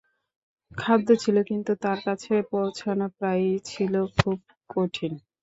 খাদ্য ছিল কিন্তু তার কাছে পৌঁছানো প্রায়ই ছিল খুব কঠিন।